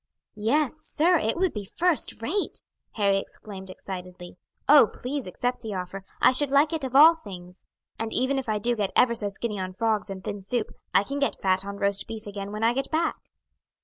"Yes, sir, it would be first rate!" Harry exclaimed excitedly. "Oh, please, accept the offer; I should like it of all things; and even if I do get ever so skinny on frogs and thin soup, I can get fat on roast beef again when I get back."